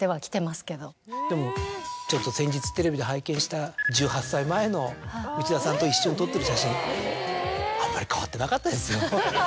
でもちょっと先日テレビで拝見した１８歳前の内田さんと一緒に撮ってる写真あんまり変わってなかったですよ。